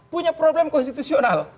punya problem konstitusional